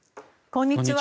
こんにちは。